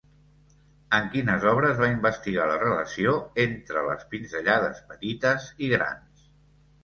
En quines obres va investigar la relació entre les pinzellades petites i grans?